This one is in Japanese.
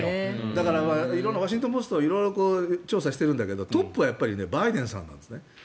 だから、ワシントン・ポスト色々調査してるんだけどトップはやっぱりバイデンさんなんですね。